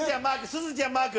すずちゃんマーク！